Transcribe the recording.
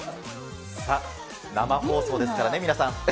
さあ、生放送ですからね、皆さん。